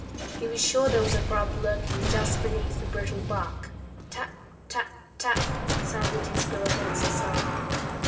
He was sure there was a grub lurking just beneath the brittle bark. Tap, tap, tap! sounded his bill against the stump.